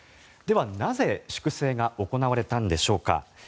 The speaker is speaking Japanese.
では、なぜ粛清が行われたのでしょうか。